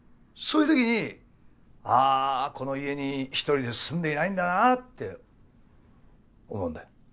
そういうときにああこの家に一人で住んでいないんだなって思うんだよ。